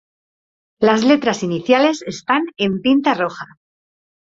Las letras iniciales están en tinta roja.